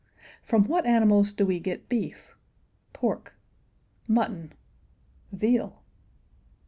"] From what animals do we get beef? pork? mutton? veal?